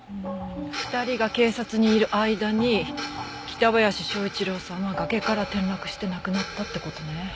２人が警察にいる間に北林昭一郎さんは崖から転落して亡くなったって事ね。